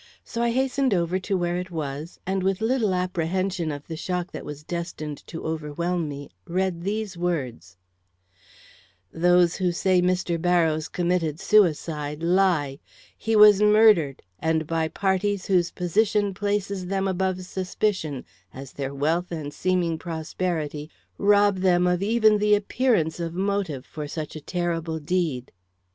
So I hastened over to where it was, and with little apprehension of the shock that was destined to overwhelm me, read these words: "Those who say Mr. Barrows committed suicide lie. He was murdered, and by parties whose position places them above suspicion, as their wealth and seeming prosperity rob them of even the appearance of motive for such a terrible deed."